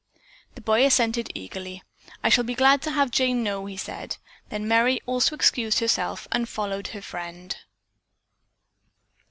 The boy assented eagerly. "I shall be glad to have Jane know," he said. Then Merry also excused herself and followed her friend.